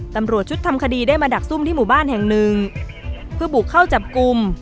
ตำรวจชุดทำคดีได้มาดักซุ่มที่หมู่บ้านแห่งหนึ่งเพื่อบุกเข้าจับกลุ่ม